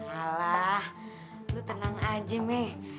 alah lo tenang aja meh